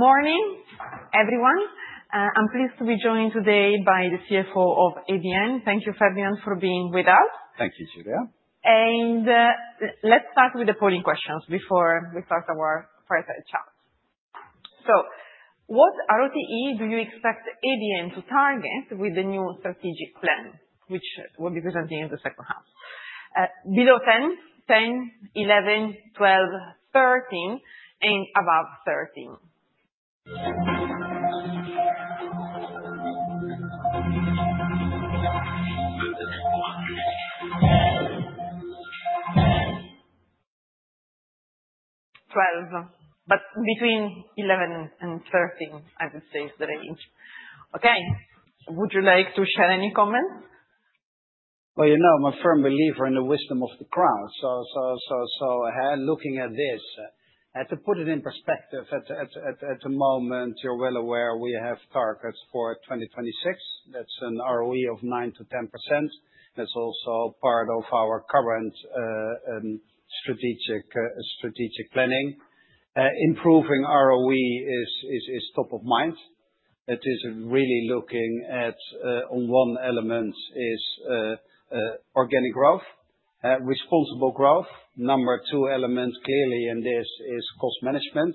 Morning, everyone. I'm pleased to be joined today by the CFO of ABN. Thank you, Ferdinand, for being with us. Thank you, Giulia. Let's start with the polling questions before we start our first chat. What ROTE do you expect ABN to target with the new strategic plan, which will be presented in the second half? Below 10, 10, 11, 12, 13, and above 13. 12, but between 11 and 13, I would say, is the range. Okay, would you like to share any comments? You know, my firm belief in the wisdom of the crowd. Looking at this, to put it in perspective, at the moment, you're well aware we have targets for 2026. That's an ROE of 9-10%. That's also part of our current strategic planning. Improving ROE is top of mind. It is really looking at, on one element, is organic growth, responsible growth. Number two element clearly in this is cost management.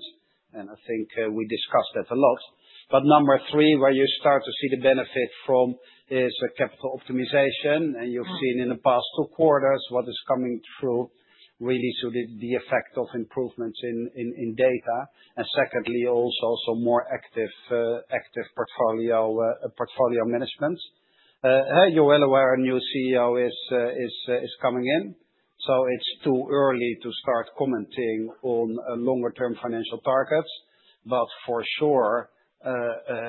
I think we discussed that a lot. Number three, where you start to see the benefit from, is capital optimization. You've seen in the past two quarters what is coming through, really to the effect of improvements in data. Secondly, also more active portfolio management. You're well aware a new CEO is coming in. It is too early to start commenting on longer-term financial targets. For sure,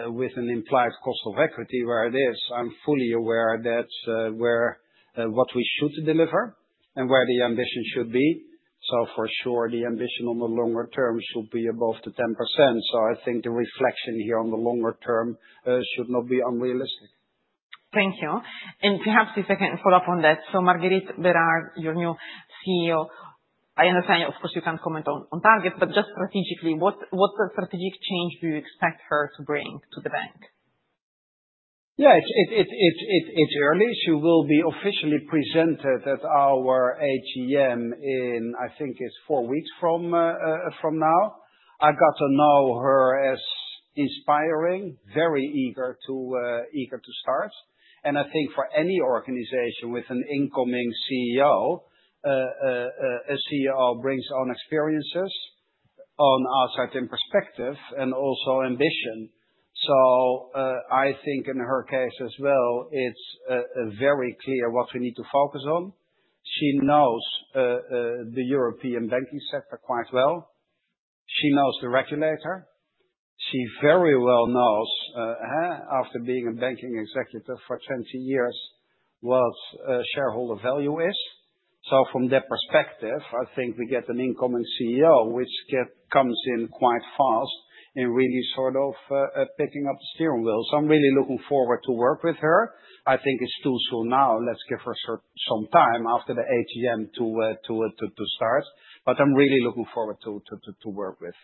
with an implied cost of equity where it is, I'm fully aware that's where what we should deliver and where the ambition should be. For sure, the ambition on the longer term should be above the 10%. I think the reflection here on the longer term should not be unrealistic. Thank you. Perhaps if I can follow up on that. Marguerite Bérard, your new CEO, I understand, of course, you can't comment on targets, but just strategically, what strategic change do you expect her to bring to the bank? Yeah, it's early. She will be officially presented at our AGM in, I think, four weeks from now. I got to know her as inspiring, very eager to start. I think for any organization with an incoming CEO, a CEO brings own experiences, own outside perspective, and also ambition. I think in her case as well, it's very clear what we need to focus on. She knows the European banking sector quite well. She knows the regulator. She very well knows, after being a banking executive for 20 years, what shareholder value is. From that perspective, I think we get an incoming CEO, which comes in quite fast and really sort of picking up the steering wheel. I'm really looking forward to work with her. I think it's too soon now. Let's give her some time after the AGM to start. I'm really looking forward to work with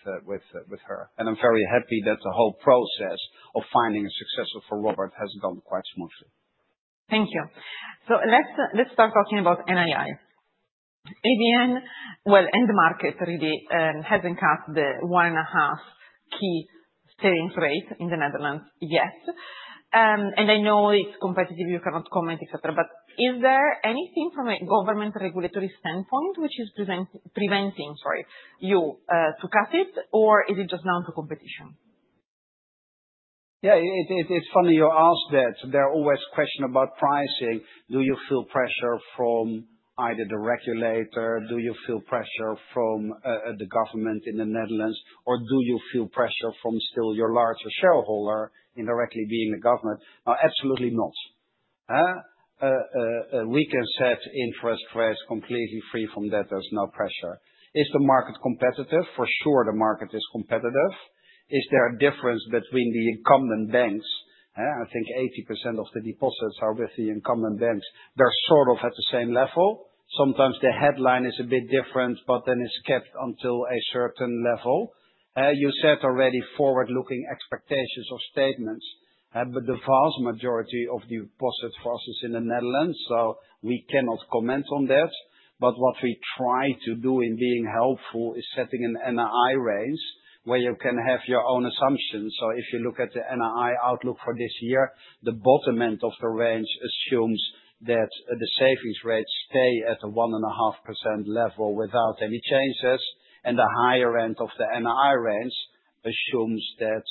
her. I'm very happy that the whole process of finding a successor for Robert has gone quite smoothly. Thank you. Let's start talking about NII. ABN, and the market really has not cast the one and a half key savings rate in the Netherlands yet. I know it's competitive, you cannot comment, et cetera. Is there anything from a government regulatory standpoint which is preventing you to cut it, or is it just down to competition? Yeah, it's funny you ask that. There are always questions about pricing. Do you feel pressure from either the regulator? Do you feel pressure from the government in the Netherlands? Or do you feel pressure from still your larger shareholder indirectly being the government? Absolutely not. We can set interest rates completely free from debtors, no pressure. Is the market competitive? For sure, the market is competitive. Is there a difference between the incumbent banks? I think 80% of the deposits are with the incumbent banks. They're sort of at the same level. Sometimes the headline is a bit different, but then it's kept until a certain level. You said already forward-looking expectations or statements. The vast majority of the deposits for us is in the Netherlands. We cannot comment on that. What we try to do in being helpful is setting an NII range where you can have your own assumptions. If you look at the NII outlook for this year, the bottom end of the range assumes that the savings rate stays at a 1.5% level without any changes. The higher end of the NII range assumes that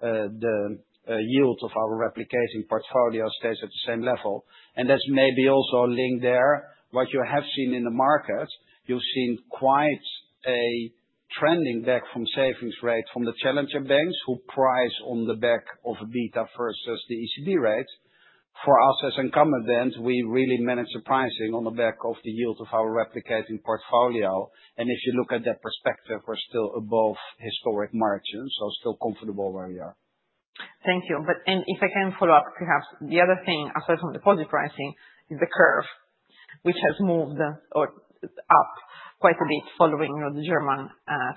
the yield of our replicating portfolio stays at the same level. That is maybe also linked there. What you have seen in the market, you have seen quite a trending back from savings rate from the challenger banks who price on the back of a beta versus the ECB rate. For us as incumbent banks, we really manage the pricing on the back of the yield of our replicating portfolio. If you look at that perspective, we're still above historic margins, so still comfortable where we are. Thank you. If I can follow up, perhaps the other thing aside from deposit pricing is the curve, which has moved up quite a bit following the German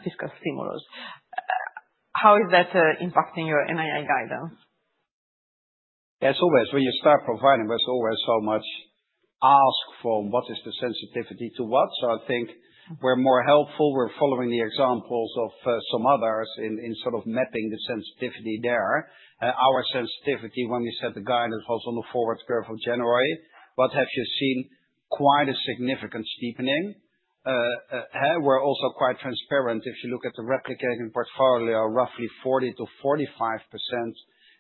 fiscal stimulus. How is that impacting your NII guidance? As always, when you start providing, there's always so much ask from what is the sensitivity to what. I think we're more helpful. We're following the examples of some others in sort of mapping the sensitivity there. Our sensitivity, when we set the guidance, was on the forward curve of January. Have you seen quite a significant steepening? We're also quite transparent. If you look at the replicating portfolio, roughly 40-45%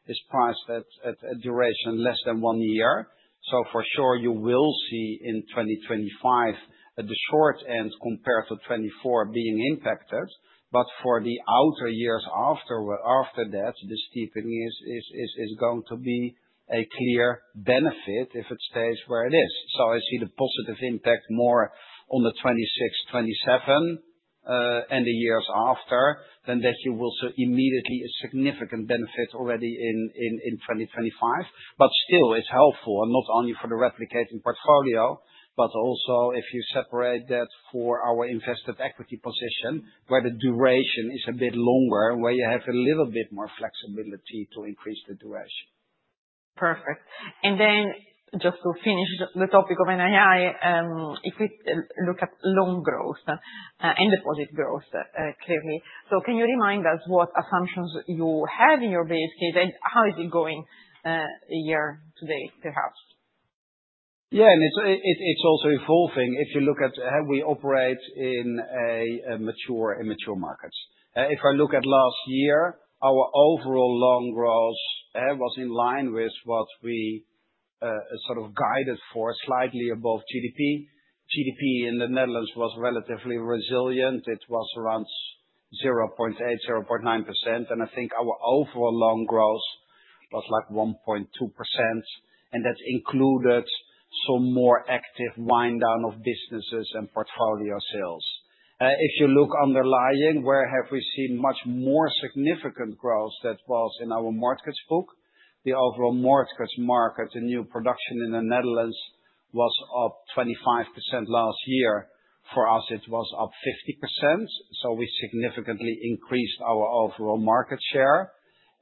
is priced at a duration less than one year. For sure, you will see in 2025 at the short end compared to 2024 being impacted. For the outer years after that, the steepening is going to be a clear benefit if it stays where it is. I see the positive impact more on 2026, 2027, and the years after than that you will see immediately a significant benefit already in 2025. Still, it's helpful not only for the replicating portfolio, but also if you separate that for our invested equity position, where the duration is a bit longer, where you have a little bit more flexibility to increase the duration. Perfect. Just to finish the topic of NII, if we look at loan growth and deposit growth clearly, can you remind us what assumptions you have in your base case and how is it going year to date, perhaps? Yeah, and it's also evolving. If you look at how we operate in mature and mature markets. If I look at last year, our overall loan growth was in line with what we sort of guided for, slightly above GDP. GDP in the Netherlands was relatively resilient. It was around 0.8-0.9%. I think our overall loan growth was like 1.2%. That included some more active wind down of businesses and portfolio sales. If you look underlying, where have we seen much more significant growth, that was in our mortgage book. The overall mortgage market, the new production in the Netherlands was up 25% last year. For us, it was up 50%. We significantly increased our overall market share.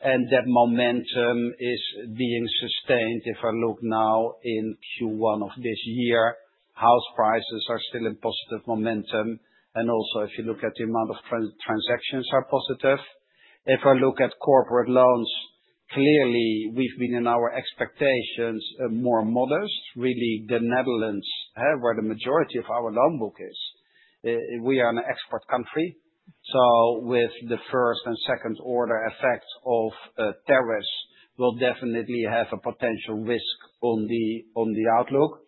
That momentum is being sustained. If I look now in Q1 of this year, house prices are still in positive momentum. If you look at the amount of transactions, they are positive. If I look at corporate loans, clearly, we've been in our expectations more modest. Really, the Netherlands is where the majority of our loan book is. We are an export country. With the first and second order effect of tariffs, we'll definitely have a potential risk on the outlook.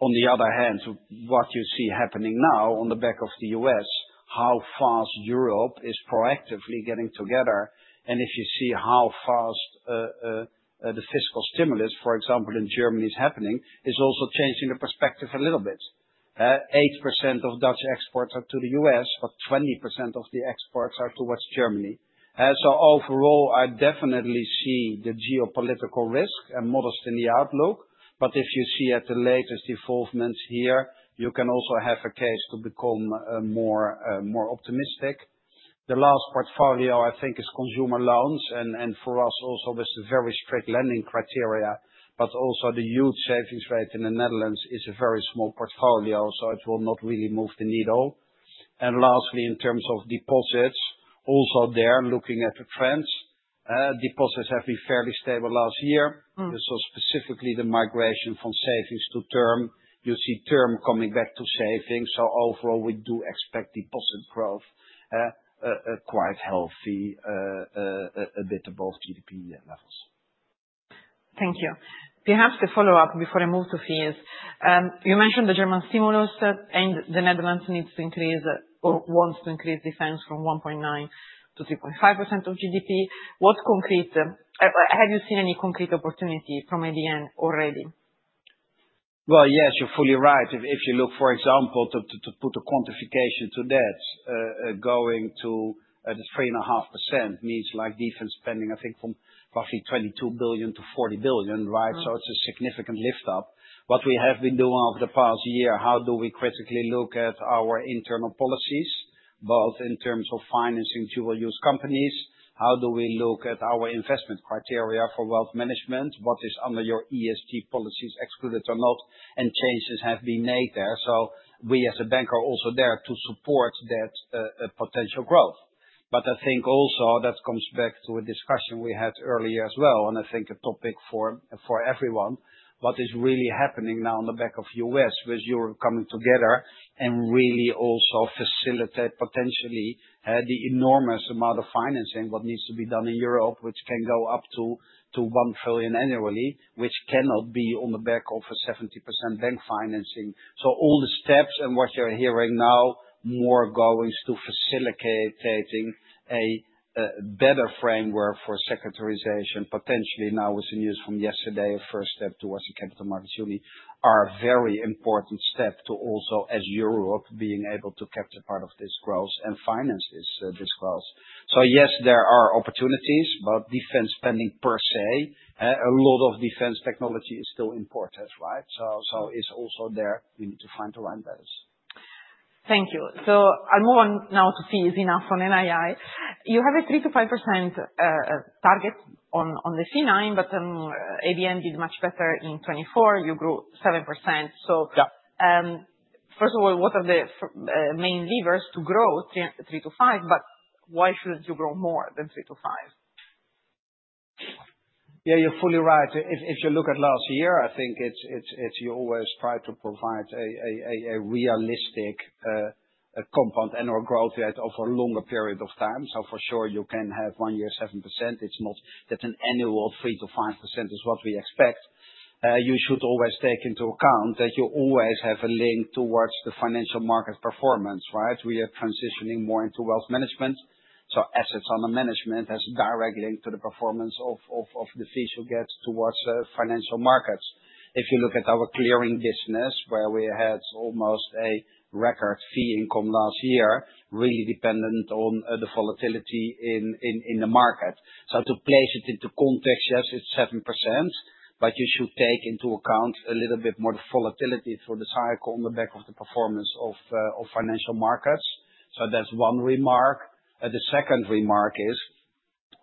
On the other hand, what you see happening now on the back of the U.S., how fast Europe is proactively getting together. If you see how fast the fiscal stimulus, for example, in Germany is happening, it's also changing the perspective a little bit. 8% of Dutch exports are to the U.S., but 20% of the exports are towards Germany. Overall, I definitely see the geopolitical risk and modest in the outlook. If you see at the latest evolvements here, you can also have a case to become more optimistic. The last portfolio, I think, is consumer loans. For us, also, there is a very strict lending criteria. Also, the huge savings rate in the Netherlands is a very small portfolio, so it will not really move the needle. Lastly, in terms of deposits, also there, looking at the trends, deposits have been fairly stable last year. Specifically, the migration from savings to term, you see term coming back to savings. Overall, we do expect deposit growth quite healthy, a bit above GDP levels. Thank you. Perhaps to follow up before I move to fees, you mentioned the German stimulus and the Netherlands needs to increase or wants to increase defense from 1.9% to 3.5% of GDP. What concrete, have you seen any concrete opportunity from ABN already? Yes, you're fully right. If you look, for example, to put a quantification to that, going to the 3.5% means like defense spending, I think, from roughly 22 billion to 40 billion, right? It is a significant lift up. What we have been doing over the past year, how do we critically look at our internal policies, both in terms of financing dual-use companies? How do we look at our investment criteria for wealth management? What is under your ESG policies excluded or not? Changes have been made there. We as a bank are also there to support that potential growth. I think also that comes back to a discussion we had earlier as well. I think a topic for everyone, what is really happening now on the back of US, which you're coming together and really also facilitate potentially the enormous amount of financing what needs to be done in Europe, which can go up to 1 trillion annually, which cannot be on the back of a 70% bank financing. All the steps and what you're hearing now, more goings to facilitating a better framework for securitisation, potentially now with the news from yesterday, a first step towards the Capital Markets Union, are a very important step to also as Europe being able to capture part of this growth and finance this growth. Yes, there are opportunities, but defense spending per se, a lot of defense technology is still important, right? It is also there. We need to find the right balance. Thank you. I'll move on now to fees, enough on NII. You have a 3-5% target on the fee line, but ABN did much better in 2024. You grew 7%. First of all, what are the main levers to grow 3-5%, but why shouldn't you grow more than 3-5%? Yeah, you're fully right. If you look at last year, I think you always try to provide a realistic compound annual growth rate over a longer period of time. For sure, you can have one year 7%. It's not that an annual 3-5% is what we expect. You should always take into account that you always have a link towards the financial market performance, right? We are transitioning more into wealth management. Assets under management has a direct link to the performance of the fees you get towards financial markets. If you look at our clearing business, where we had almost a record fee income last year, really dependent on the volatility in the market. To place it into context, yes, it's 7%, but you should take into account a little bit more the volatility for the cycle on the back of the performance of financial markets. That's one remark. The second remark is,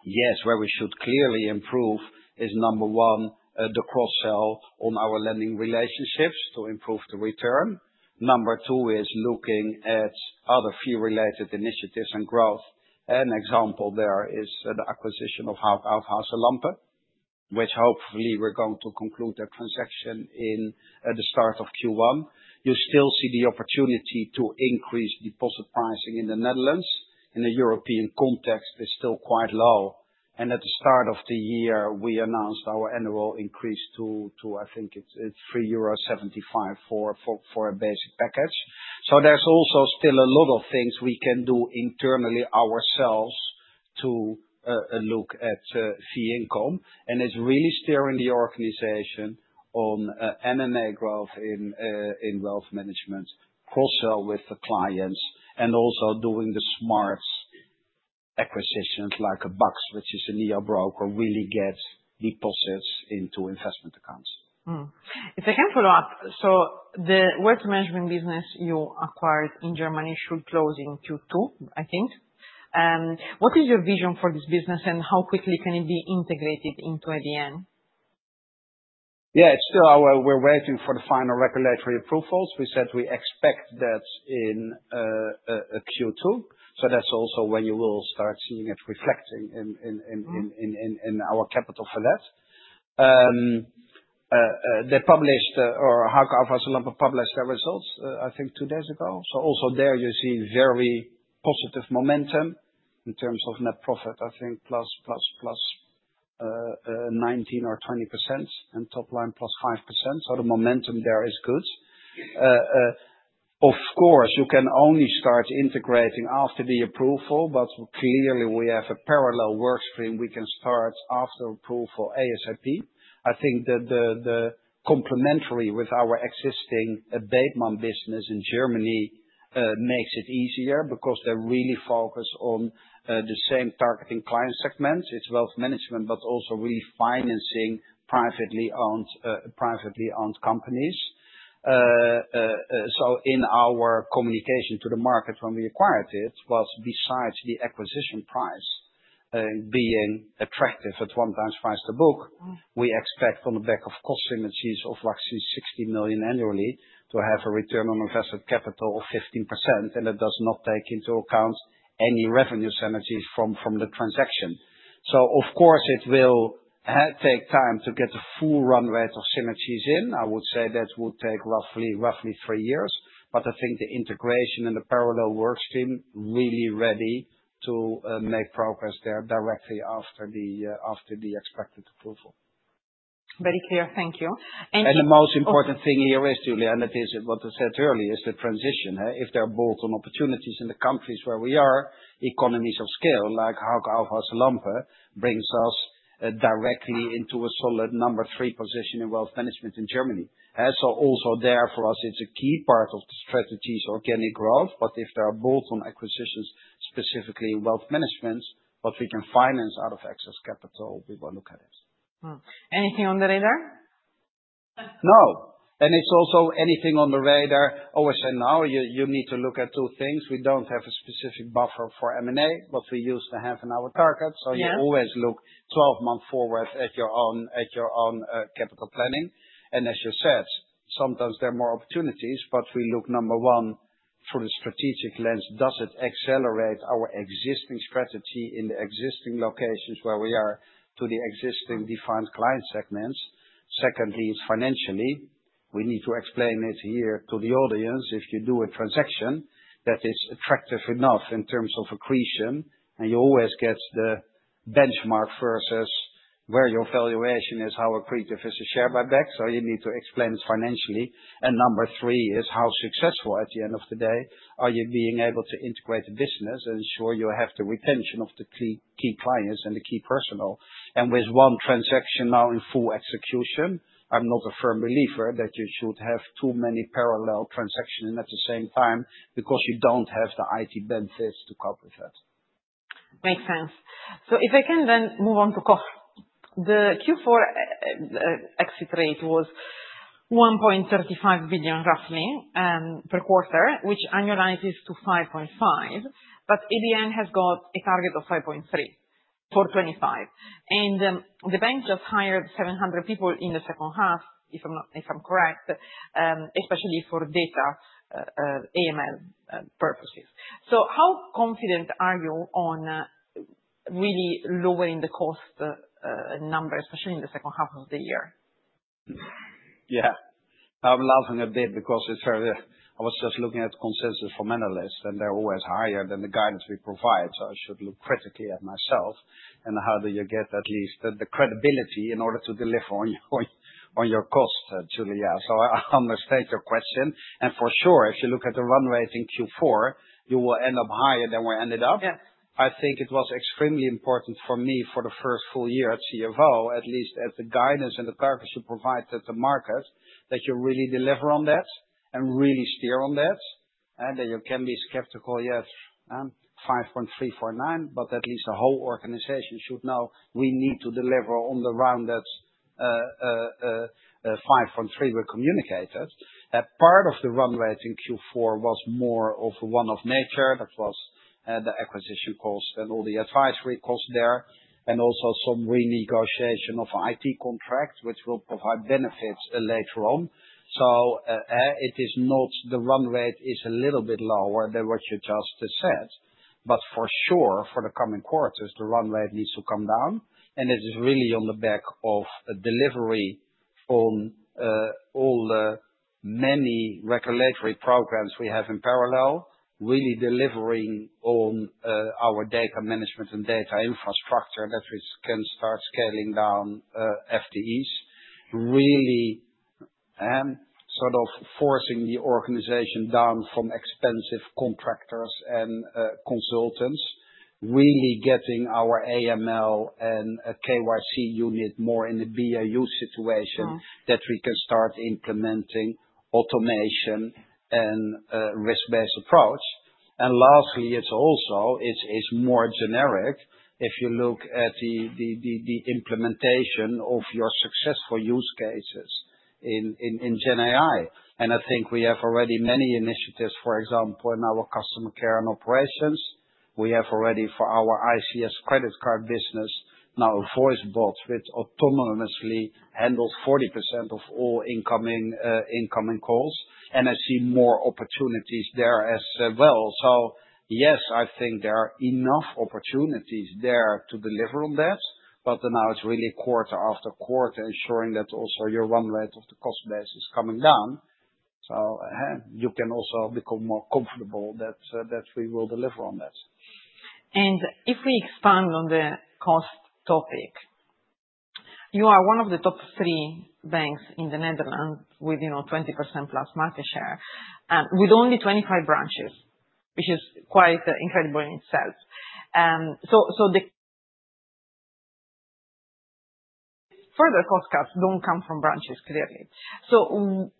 yes, where we should clearly improve is, number one, the cross-sell on our lending relationships to improve the return. Number two is looking at other fee-related initiatives and growth. An example there is the acquisition of Hauck Aufhäuser Lampe, which hopefully we're going to conclude that transaction at the start of Q1. You still see the opportunity to increase deposit pricing in the Netherlands. In the European context, it's still quite low. At the start of the year, we announced our annual increase to, I think it's 3.75 euro for a basic package. There is also still a lot of things we can do internally ourselves to look at fee income. It is really steering the organization on M&A growth in wealth management, cross-sell with the clients, and also doing the smart acquisitions like BUX, which is a neobroker, really get deposits into investment accounts. If I can follow up, the wealth management business you acquired in Germany should close in Q2, I think. What is your vision for this business and how quickly can it be integrated into ABN? Yeah, it's still our we're waiting for the final regulatory approvals. We said we expect that in Q2. That is also when you will start seeing it reflecting in our capital for that. They published or Hauck Aufhäuser Lampe published their results, I think, two days ago. There, you're seeing very positive momentum in terms of net profit, I think, plus 19% or 20% and top line plus 5%. The momentum there is good. Of course, you can only start integrating after the approval, but clearly we have a parallel workstream we can start after approval ASAP. I think the complementary with our existing Bethmann business in Germany makes it easier because they're really focused on the same targeting client segments. It's wealth management, but also really financing privately owned companies. In our communication to the market when we acquired it, besides the acquisition price being attractive at one times price to book, we expect on the back of cost synergies of like 60 million annually to have a return on invested capital of 15%. It does not take into account any revenue synergies from the transaction. Of course, it will take time to get the full run rate of synergies in. I would say that would take roughly three years. I think the integration and the parallel workstream are really ready to make progress there directly after the expected approval. Very clear. Thank you. The most important thing here is, Giulia, it is what I said earlier, it is the transition. If there are bolt-on opportunities in the countries where we are, economies of scale like Hauck Aufhäuser Lampe brings us directly into a solid number three position in wealth management in Germany. Also there for us, it is a key part of the strategy's organic growth. If there are bolt-on acquisitions specifically in wealth management, what we can finance out of excess capital, we will look at it. Anything on the radar? No. It is also anything on the radar. I always say now you need to look at two things. We do not have a specific buffer for M&A, but we use the half an hour target. You always look 12 months forward at your own capital planning. As you said, sometimes there are more opportunities, but we look number one through the strategic lens. Does it accelerate our existing strategy in the existing locations where we are to the existing defined client segments? Secondly, it is financially. We need to explain it here to the audience. If you do a transaction that is attractive enough in terms of accretion, and you always get the benchmark versus where your valuation is, how accretive is the share buyback. You need to explain it financially. Number three is how successful at the end of the day are you being able to integrate a business and ensure you have the retention of the key clients and the key personnel. With one transaction now in full execution, I'm not a firm believer that you should have too many parallel transactions at the same time because you don't have the IT benefits to cope with that. Makes sense. If I can then move on to cost. The Q4 exit rate was 1.35 billion roughly per quarter, which annualizes to 5.5 billion. ABN has got a target of 5.3 billion for 2025. The bank just hired 700 people in the second half, if I'm correct, especially for data AML purposes. How confident are you on really lowering the cost number, especially in the second half of the year? Yeah. I'm laughing a bit because I was just looking at consensus from analysts, and they're always higher than the guidance we provide. I should look critically at myself. How do you get at least the credibility in order to deliver on your cost, Giulia? I understand your question. For sure, if you look at the run rate in Q4, you will end up higher than we ended up. I think it was extremely important for me for the first full year as CFO, at least at the guidance and the targets you provide to the market, that you really deliver on that and really steer on that. You can be skeptical, yes, 5.349, but at least the whole organization should know we need to deliver on the round that 5.3 we communicated. Part of the run rate in Q4 was more of a one-off nature. That was the acquisition cost and all the advisory costs there. Also, some renegotiation of IT contract, which will provide benefits later on. It is not the run rate is a little bit lower than what you just said. For sure, for the coming quarters, the run rate needs to come down. It is really on the back of delivery on all the many regulatory programs we have in parallel, really delivering on our data management and data infrastructure that we can start scaling down FTEs, really sort of forcing the organization down from expensive contractors and consultants, really getting our AML and KYC unit more in the BAU situation that we can start implementing automation and risk-based approach. Lastly, it's also more generic if you look at the implementation of your successful use cases in GenAI. I think we have already many initiatives, for example, in our customer care and operations. We have already for our ICS credit card business now a voice bot which autonomously handles 40% of all incoming calls. I see more opportunities there as well. Yes, I think there are enough opportunities there to deliver on that. Now it's really quarter after quarter ensuring that also your run rate of the cost base is coming down. You can also become more comfortable that we will deliver on that. If we expand on the cost topic, you are one of the top three banks in the Netherlands with 20%+ market share with only 25 branches, which is quite incredible in itself. The further cost cuts do not come from branches clearly.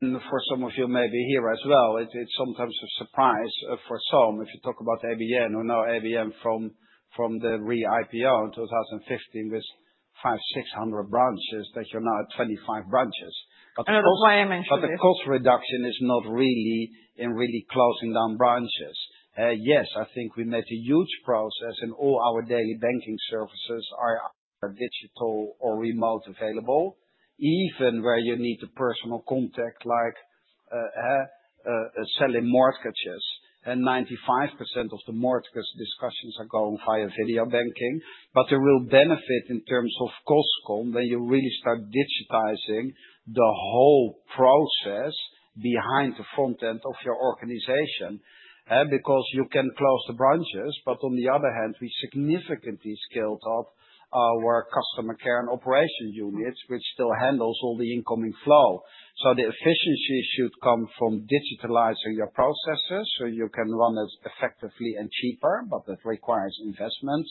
For some of you here as well, it is sometimes a surprise for some if you talk about ABN AMRO from the re-IPO in 2015 with 500-600 branches that you are now at 25 branches. The cost reduction is not really in closing down branches. I think we made a huge process and all our daily banking services are digital or remotely available, even where you need the personal contact like selling mortgages. Ninety-five percent of the mortgage discussions are going via video banking. The real benefit in terms of costs comes when you really start digitizing the whole process behind the front end of your organization because you can close the branches. On the other hand, we significantly scaled up our customer care and operation units, which still handles all the incoming flow. The efficiency should come from digitalizing your processes so you can run it effectively and cheaper, but that requires investment.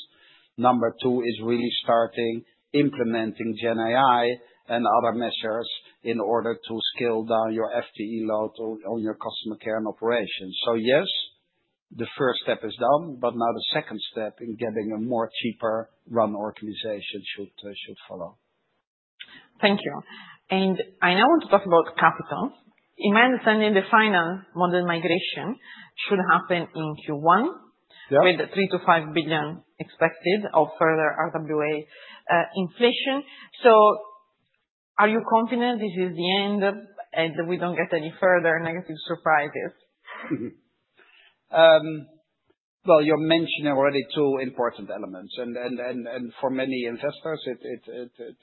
Number two is really starting implementing GenAI and other measures in order to scale down your FTE load on your customer care and operations. Yes, the first step is done, but now the second step in getting a more cheaper run organization should follow. Thank you. I now want to talk about capital. In my understanding, the final model migration should happen in Q1 with the 3-5 billion expected of further RWA inflation. Are you confident this is the end and we don't get any further negative surprises? You're mentioning already two important elements. For many investors,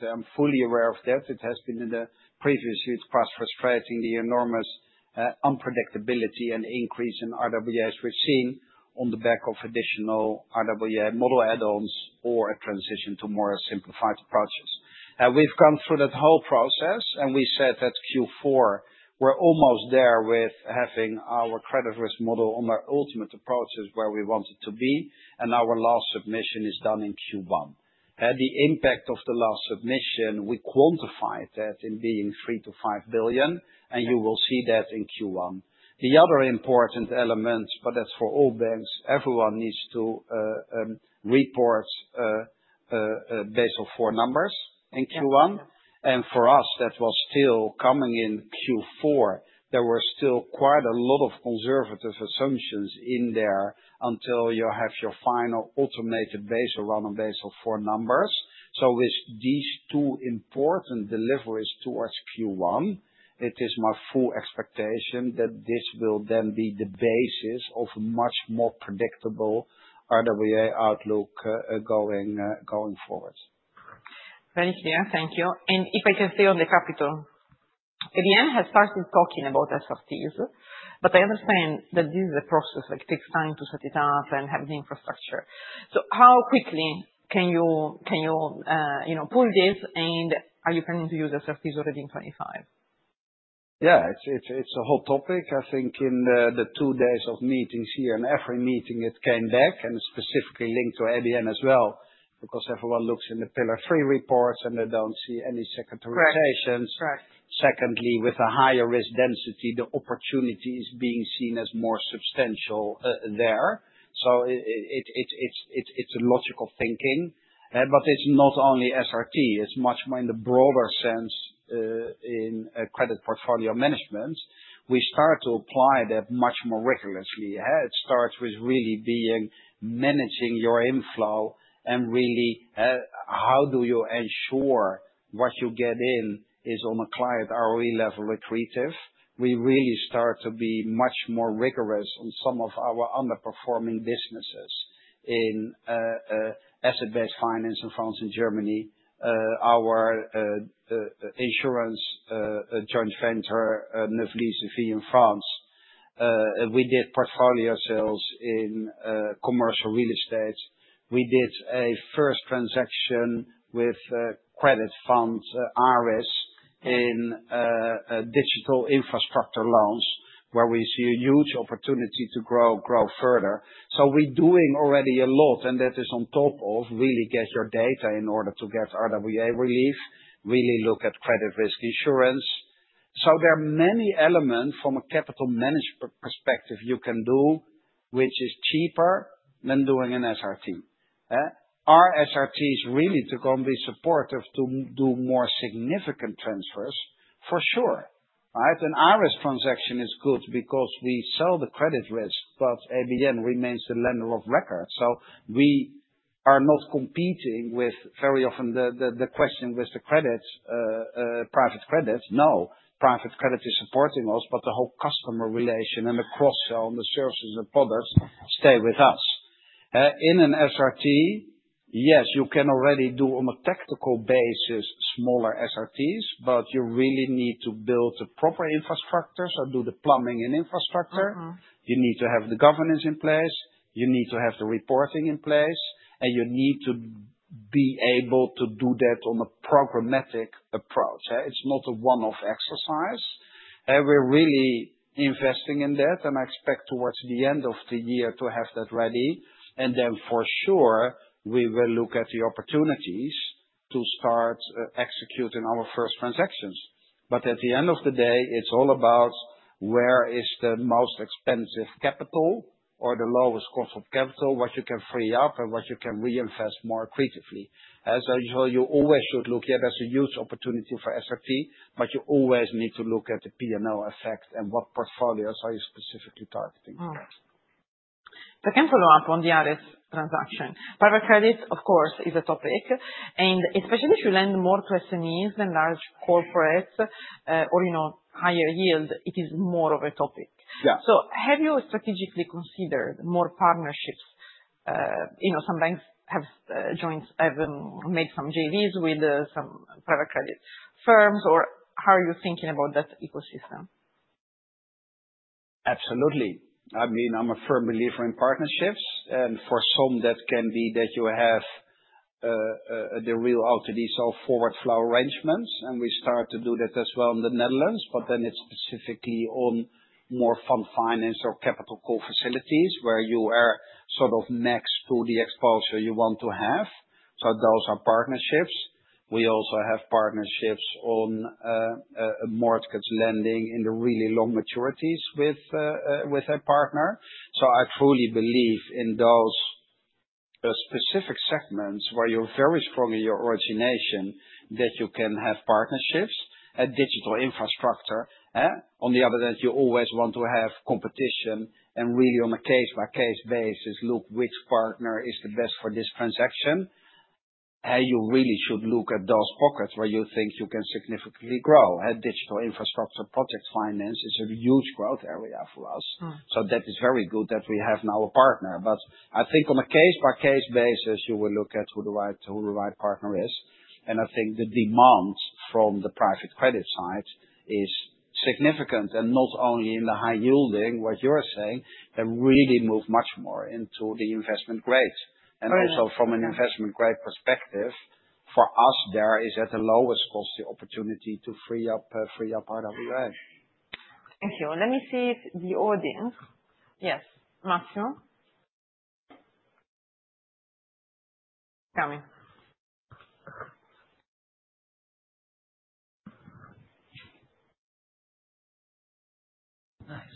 I'm fully aware of that. It has been in the previous huge past frustrating, the enormous unpredictability and increase in RWAs we've seen on the back of additional RWA model add-ons or a transition to more simplified approaches. We've gone through that whole process and we said at Q4 we're almost there with having our credit risk model on our ultimate approaches where we want it to be. Our last submission is done in Q1. The impact of the last submission, we quantified that in being 3 billion to 5 billion, and you will see that in Q1. The other important element, but that's for all banks, everyone needs to report Basel IV numbers in Q1. For us, that was still coming in Q4. There were still quite a lot of conservative assumptions in there until you have your final automated base of run on base of four numbers. With these two important deliveries towards Q1, it is my full expectation that this will then be the basis of a much more predictable RWA outlook going forward. Very clear. Thank you. If I can stay on the capital, ABN has started talking about SRTs, but I understand that this is a process that takes time to set it up and have the infrastructure. How quickly can you pull this and are you planning to use SRTs already in 2025? Yeah, it's a hot topic. I think in the two days of meetings here and every meeting, it came back and specifically linked to ABN as well because everyone looks in the Pillar 3 reports and they don't see any securitisations. Secondly, with a higher risk density, the opportunity is being seen as more substantial there. It's a logical thinking, but it's not only SRT. It's much more in the broader sense in credit portfolio management. We start to apply that much more rigorously. It starts with really being managing your inflow and really how do you ensure what you get in is on a client ROE level accretive. We really start to be much more rigorous on some of our underperforming businesses in asset-based finance and funds in Germany. Our insurance joint venture, Neuflize Vie in France. We did portfolio sales in commercial real estate. We did a first transaction with credit funds ARIS in digital infrastructure loans where we see a huge opportunity to grow further. We're doing already a lot, and that is on top of really get your data in order to get RWA relief, really look at credit risk insurance. There are many elements from a capital management perspective you can do, which is cheaper than doing an SRT. Our SRTs really to go and be supportive to do more significant transfers for sure. An ARIS transaction is good because we sell the credit risk, but ABN remains the lender of record. We are not competing with, very often the question with the credits, private credits. No, private credit is supporting us, but the whole customer relation and the cross-sell and the services and products stay with us. In an SRT, yes, you can already do on a tactical basis smaller SRTs, but you really need to build the proper infrastructure. Do the plumbing and infrastructure. You need to have the governance in place. You need to have the reporting in place, and you need to be able to do that on a programmatic approach. It is not a one-off exercise. We are really investing in that, and I expect towards the end of the year to have that ready. For sure, we will look at the opportunities to start executing our first transactions. At the end of the day, it is all about where is the most expensive capital or the lowest cost of capital, what you can free up and what you can reinvest more accretively. You always should look, yeah, there is a huge opportunity for SRT, but you always need to look at the P&L effect and what portfolios are you specifically targeting. If I can follow up on the ARIS transaction. Private credit, of course, is a topic, and especially if you lend more to SMEs than large corporates or higher yield, it is more of a topic. Have you strategically considered more partnerships? Some banks have made some JVs with some private credit firms, or how are you thinking about that ecosystem? Absolutely. I mean, I'm a firm believer in partnerships. For some, that can be that you have the real out of these all forward flow arrangements, and we start to do that as well in the Netherlands, but then it's specifically on more fund finance or capital call facilities where you are sort of maxed to the exposure you want to have. Those are partnerships. We also have partnerships on mortgage lending in the really long maturities with a partner. I truly believe in those specific segments where you're very strong in your origination that you can have partnerships and digital infrastructure. On the other hand, you always want to have competition and really on a case-by-case basis, look which partner is the best for this transaction. You really should look at those pockets where you think you can significantly grow. Digital infrastructure project finance is a huge growth area for us. That is very good that we have now a partner. I think on a case-by-case basis, you will look at who the right partner is. I think the demand from the private credit side is significant and not only in the high yielding, what you're saying, that really move much more into the investment grade. Also from an investment grade perspective, for us, there is at the lowest cost the opportunity to free up RWA. Thank you. Let me see the audience. Yes, Massimo. Coming.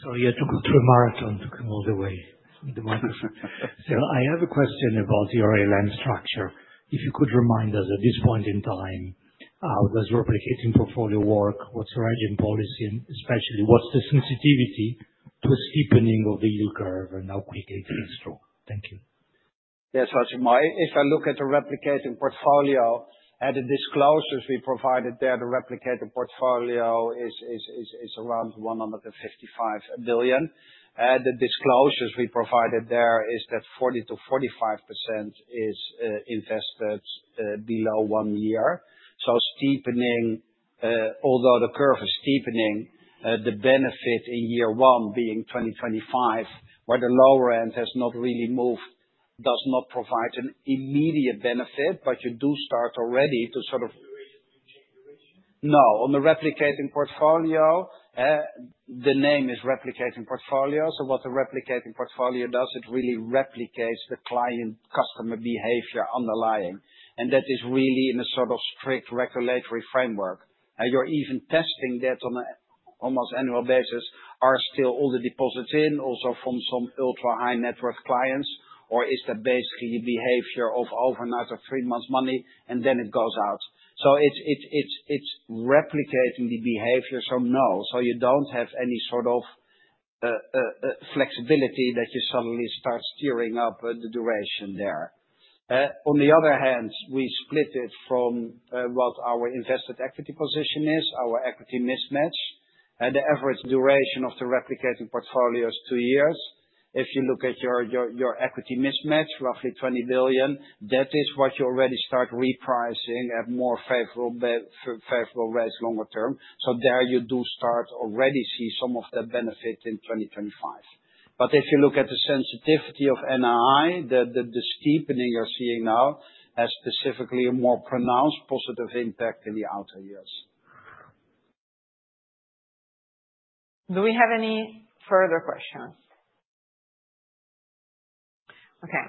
Sorry, I took a marathon to come all the way. I have a question about your ALM structure. If you could remind us at this point in time, how does replicating portfolio work? What's your agent policy? Especially, what's the sensitivity to a steepening of the yield curve and how quickly it fades through? Thank you. Yes, if I look at the replicating portfolio, at the disclosures we provided there, the replicating portfolio is around 155 billion. The disclosures we provided there is that 40-45% is invested below one year. Steepening, although the curve is steepening, the benefit in year one being 2025, where the lower end has not really moved, does not provide an immediate benefit, but you do start already to sort of. Generation? No. On the replicating portfolio, the name is replicating portfolio. What the replicating portfolio does, it really replicates the client customer behavior underlying. That is really in a sort of strict regulatory framework. You are even testing that on an almost annual basis, are still all the deposits in, also from some ultra high net worth clients, or is that basically behavior of overnight or three months money and then it goes out? It is replicating the behavior. No, you do not have any sort of flexibility that you suddenly start steering up the duration there. On the other hand, we split it from what our invested equity position is, our equity mismatch. The average duration of the replicating portfolio is two years. If you look at your equity mismatch, roughly 20 billion, that is what you already start repricing at more favorable rates longer term. There you do start already see some of that benefit in 2025. If you look at the sensitivity of NII, the steepening you're seeing now has specifically a more pronounced positive impact in the outer years. Do we have any further questions? Okay.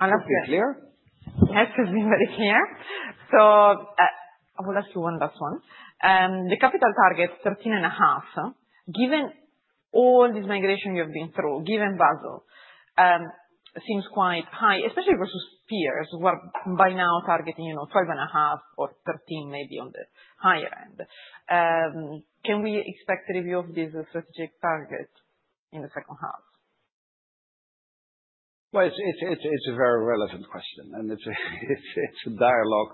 Is everything clear? Yes, as everybody here. I will ask you one last one. The capital target, 13.5, given all this migration you've been through, given Basel, seems quite high, especially versus peers who are by now targeting 12.5 or 13 maybe on the higher end. Can we expect a review of this strategic target in the second half? It's a very relevant question, and it's a dialogue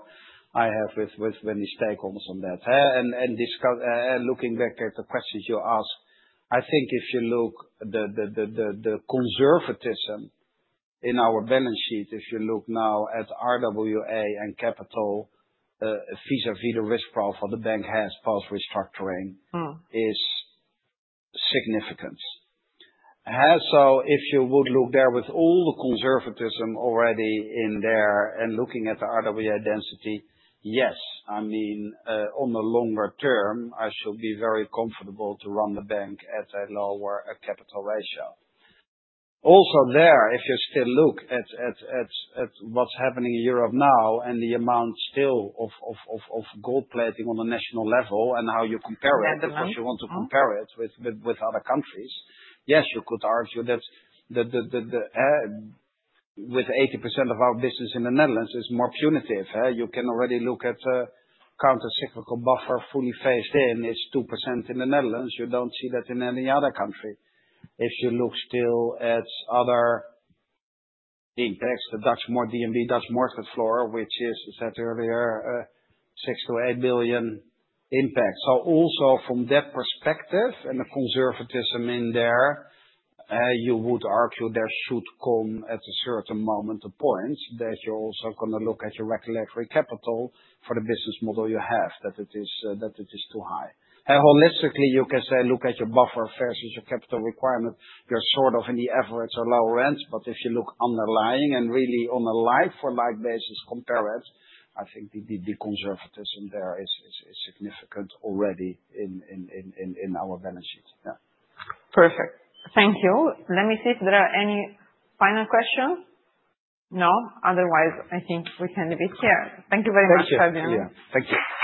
I have with many stakeholders on that. Looking back at the questions you asked, I think if you look, the conservatism in our balance sheet, if you look now at RWA and capital vis-à-vis the risk profile the bank has post restructuring is significant. If you would look there with all the conservatism already in there and looking at the RWA density, yes, I mean, on the longer term, I should be very comfortable to run the bank at a lower capital ratio. Also, if you still look at what's happening in Europe now and the amount still of gold plating on the national level and how you compare it because you want to compare it with other countries, yes, you could argue that with 80% of our business in the Netherlands is more punitive. You can already look at countercyclical buffer fully phased in, it's 2% in the Netherlands. You don't see that in any other country. If you look still at other impacts, the Dutch more DNB Dutch mortgage floor, which is, as I said earlier, 6-8 billion impact. Also from that perspective and the conservatism in there, you would argue there should come at a certain moment a point that you're also going to look at your regulatory capital for the business model you have, that it is too high. Holistically, you can say look at your buffer versus your capital requirement, you're sort of in the average or lower end, but if you look underlying and really on a life-for-life basis compare it, I think the conservatism there is significant already in our balance sheet. Perfect. Thank you. Let me see if there are any final questions. No? Otherwise, I think we can leave it here. Thank you very much, Ferdinand. Thank you.